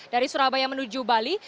dari surabaya menuju bali